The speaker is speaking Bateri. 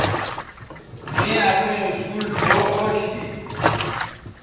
می اپئیں اسکول ڙھؤ خوش تھی